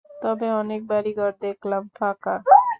তবে অনেক বাড়ি-ঘর দেখলাম ফাঁকা।